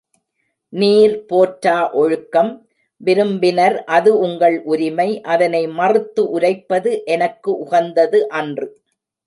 நீர் போற்றா ஒழுக்கம் விரும்பினர் அது உங்கள் உரிமை அதனை மறுத்து உரைப்பது எனக்கு உகந்தது அன்று.